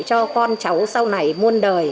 cho con cháu sau này muôn đời